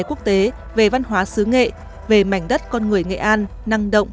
quốc tế về văn hóa xứ nghệ về mảnh đất con người nghệ an năng động